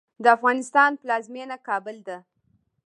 د افغانستان پلازمېنه کابل ده